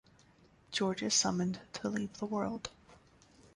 George is summoned to leave the world.